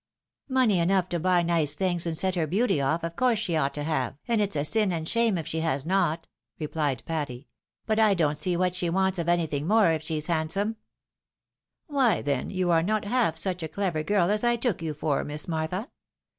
" Money enough to buy nice things and set her beauty off, of course she ought to have, and it's a sin and shame if she has not," rephed Patty ;" but I don't see what she wants of anything more, if she's handsome." "Why, then you are not half such a clever girl as I took you for. Miss Martha.